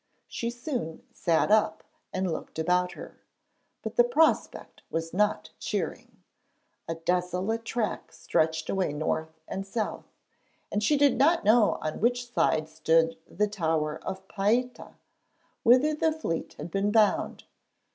She soon sat up and looked about her, but the prospect was not cheering; a desolate track stretched away north and south, and she did not know on which side stood the town of Paita whither the fleet had been bound.